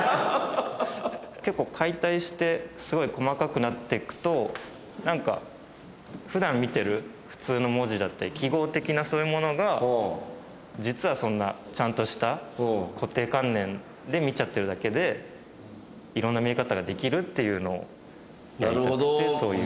結構解体してすごい細かくなっていくとなんか普段見てる普通の文字だったり記号的なそういうものが実はそんなちゃんとした固定観念で見ちゃってるだけで色んな見え方ができるっていうのをやりたくてそういう。